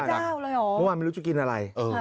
เมื่อวานไม่รู้จะกินอะไร